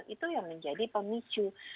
itu yang menjadi pemicu